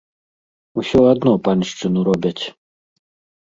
Усё адно паншчыну робяць.